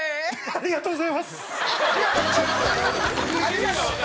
「ありがとうございます」じゃ。